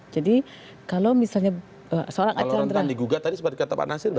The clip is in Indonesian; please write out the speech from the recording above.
jadi kalau misalnya seorang arkanra